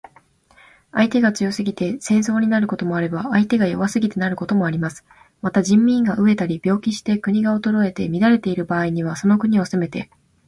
相手が強すぎて戦争になることもあれば、相手が弱すぎてなることもあります。また、人民が餓えたり病気して国が衰えて乱れている場合には、その国を攻めて